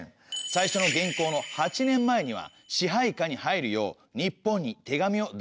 最初の元寇の８年前には支配下に入るよう日本に手紙を出しています。